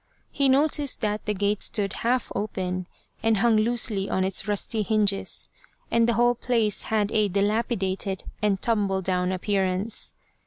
He noticed that the gate stood half open, and hung loosely on its rusty hinges, and the whole place had a dilapidated and tumble down appearance.